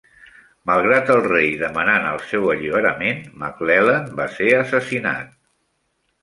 Malgrat el rei demanant el seu alliberament, Maclellan va ser assassinat.